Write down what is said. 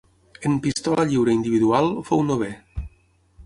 En pistola lliure individual fou novè.